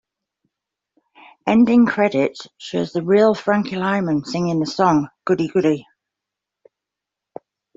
Ending credits shows the real Frankie Lymon singing his song Goody Goody.